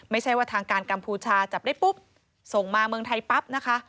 ไม่ใช่ว่าทางการกัมพูชาจับได้ปุ๊บส่งมาเมืองไทยปั๊บนะคะ